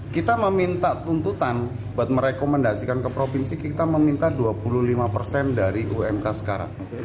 kita meminta tuntutan buat merekomendasikan ke provinsi kita meminta dua puluh lima persen dari umk sekarang